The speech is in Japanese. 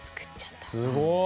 すごい。